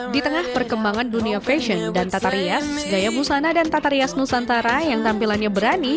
di tengah perkembangan dunia fashion dan tata rias gaya busana dan tata rias nusantara yang tampilannya berani